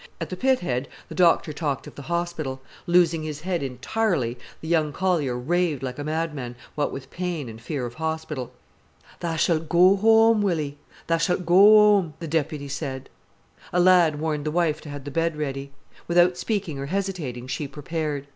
At the pit head the doctor talked of the hospital. Losing his head entirely, the young collier raved like a madman, what with pain and fear of hospital. "Tha s'lt go whoam, Willy, tha s'lt go whoam," the deputy said. A lad warned the wife to have the bed ready. Without speaking or hesitating she prepared.